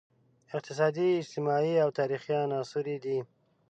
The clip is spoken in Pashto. اقتصادي، اجتماعي او تاریخي عناصر یې دي.